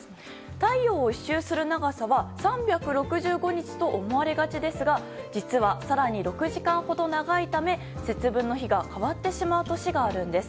太陽を１周する長さは３６５日と思われがちですが実は更に６時間ほど長いため節分の日が変わってしまう年があるんです。